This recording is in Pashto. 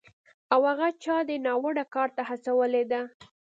او هغه چا دې ناوړه کار ته هڅولی دی